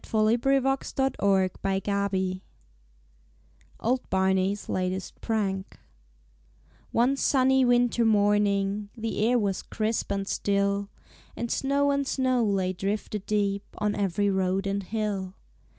OLD BARNEY'S LATEST PRANK One sunny winter morning The air was crisp and still, And snow on snow lay drifted deep On every road and hill.